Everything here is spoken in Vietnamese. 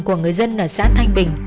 của người dân ở xã thanh bình